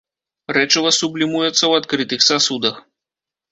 Рэчыва сублімуецца ў адкрытых сасудах.